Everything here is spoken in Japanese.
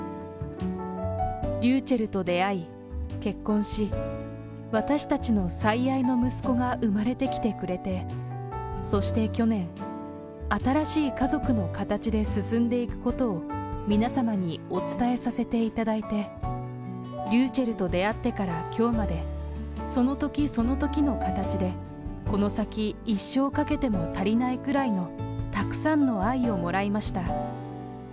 りゅうちぇると出会い、結婚し、私たちの最愛の息子が生まれてきてくれて、そして去年、新しい家族の形で進んでいくことを皆様にお伝えさせていただいて、りゅうちぇると出会ってからきょうまで、そのときそのときの形で、この先、一生かけても足りないくらいのたくさんの愛をもらいました。